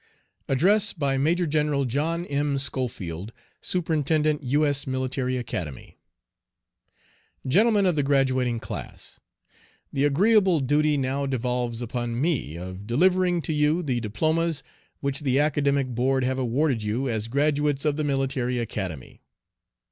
ADDRESS BY MAJOR GENERAL JOHN M. SCHOFIELD, Superintendent U. S. Military Academy. GENTLEMEN OF THE GRADUATING CLASS: The agreeable duty now devolves upon me of delivering to you the diplomas which the Academic Board have awarded you as Graduates of the Military Academy.